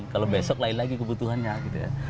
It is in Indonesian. kalau besok lain lagi kebutuhannya gitu ya